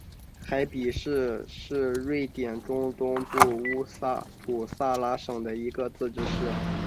海比市是瑞典中东部乌普萨拉省的一个自治市。